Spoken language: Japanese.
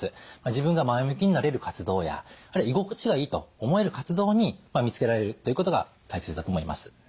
自分が前向きになれる活動や居心地がいいと思える活動に見つけられるということが大切だと思います。